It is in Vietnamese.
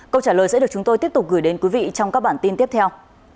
câu trả lời sẽ được chúng tôi tiếp tục gửi đến quý vị trong các bản tin tiếp theo